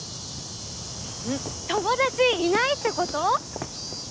友達いないって事？